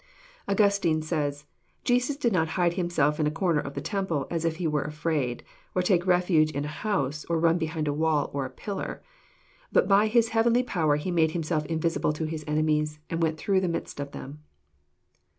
Augustine says :" Jesus did not hide Himself In a comer of the temple as if He were afraid, or take refuge in a house, or run behind a wall or a pillar; but by His heavenly power He made Himself invisible to His enemies, and went through the midst of them."